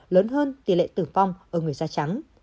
lớn hơn tỷ lệ tử vong ở người da trắng